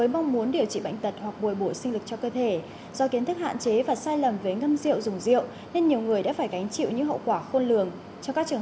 một người chết